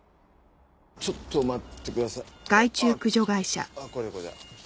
ちょっと待ってくださいああ